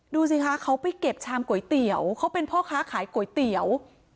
ดูสิคะเขาไปเก็บชามก๋วยเตี๋ยวเขาเป็นพ่อค้าขายก๋วยเตี๋ยว